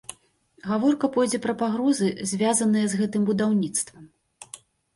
Гаворка пойдзе пра пагрозы, звязаныя з гэтым будаўніцтвам.